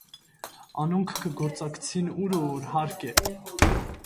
Անոնք կը գործակցին ուր որ հարկ է։